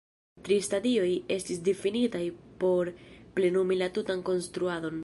Tri stadioj estis difinitaj por plenumi la tutan konstruadon.